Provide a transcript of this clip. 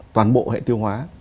toàn bộ hệ tiêu hóa